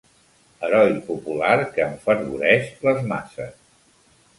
Heroi popular que enfervoreix les masses.